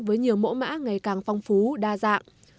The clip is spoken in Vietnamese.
với nhiều mẫu mã ngày càng phong phú đa dạng